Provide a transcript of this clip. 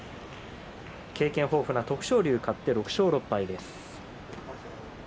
経験豊富な徳勝龍が勝って６勝６敗です。